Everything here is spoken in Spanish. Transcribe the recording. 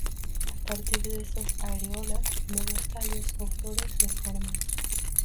A partir de estas areolas, nuevos tallos o flores se forman.